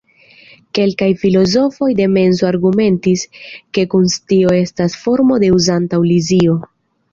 Kelkaj filozofoj de menso argumentis ke konscio estas formo de uzanta iluzio.